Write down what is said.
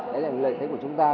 đấy là một lợi thế của chúng ta